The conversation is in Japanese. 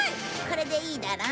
これでいいだろ？